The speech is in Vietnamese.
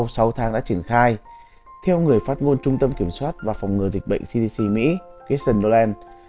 sau sáu tháng đã triển khai theo người phát ngôn trung tâm kiểm soát và phòng ngừa dịch bệnh cdc mỹ kirsten dolan